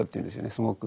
すごく。